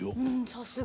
さすが。